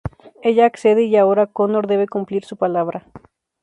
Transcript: Ella accede, y ahora Conor debe cumplir su palabra.